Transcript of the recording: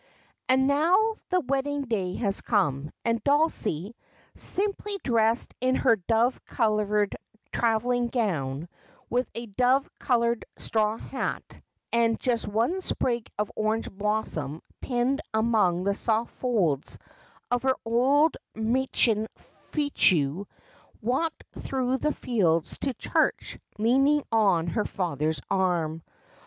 And now the wedding day had come, and Dulcie, simply dressed in her dove coloured travelling cown, with a dove Thicker than Water Zco coloured straw hat, and just one sprig of orange blossom pinned among the soft folds of her old Mechlin fichu, walked through the fields to church, leaning on her father's arm.